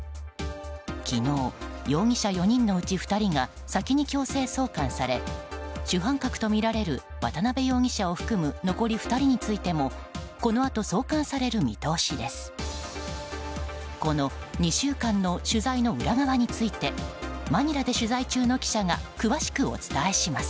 昨日、容疑者４人のうち２人が先に強制送還され主犯格とみられる渡辺容疑者を含む残り２人についてもこのあと送還される見通しです。